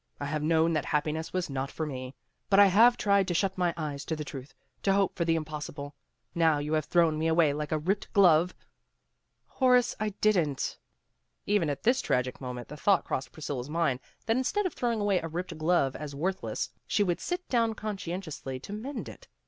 I have known that happiness was not for me. But I have tried to shut my eyes to the truth, to hope for the impossible. Now you have thrown me away like a ripped glove " "Horace, I didn't." Even at this tragic moment the thought crossed Priscilla 's mind that instead of throwing away a ripped glove as worthless, she would sit down conscientiously to mend it.